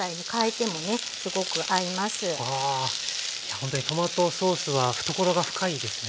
ほんとにトマトソースは懐が深いですね。